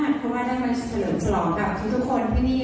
เพราะว่าได้มาเฉลิ้นสลองกับพวกเจ้าคอนพี่นี่เลย